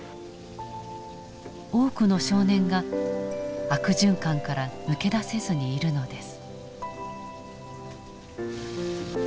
多くの少年が悪循環から抜け出せずにいるのです。